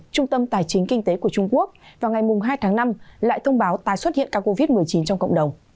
trung tâm tài chính kinh tế của trung quốc vào ngày hai tháng năm lại thông báo tái xuất hiện ca covid một mươi chín trong cộng đồng